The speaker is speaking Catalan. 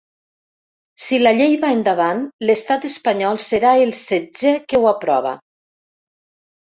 Si la llei va endavant, l’estat espanyol serà el setzè que ho aprova.